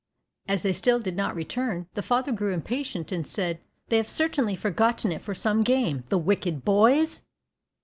As they still did not return, the father grew impatient, and said, "They have certainly forgotten it for some game, the wicked boys!"